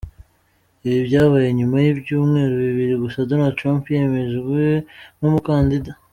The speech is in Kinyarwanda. Ibi byabaye nyuma y’ibyumweru bibiri gusa Donald Trump yemejwe nk’umukandida.